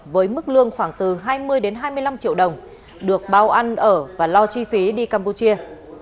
với mức lương khoảng từ hai mươi đến hai mươi năm triệu đồng được bao ăn ở và lo chi phí đi campuchia